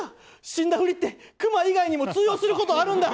死んだふりってクマ以外にも通用することあるんだ。